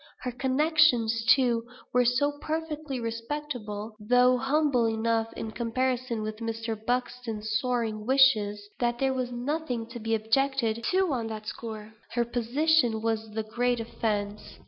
Her connections, too, were so perfectly respectable (though humble enough in comparison with Mr. Buxton's soaring wishes), that there was nothing to be objected to on that score; her position was the great offence.